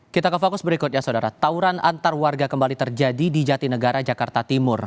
kita ke fokus berikutnya saudara tauran antar warga kembali terjadi di jatinegara jakarta timur